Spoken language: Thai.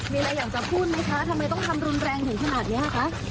มีอะไรอยากจะพูดไหมคะทำไมต้องทำรุนแรงถึงขนาดนี้คะ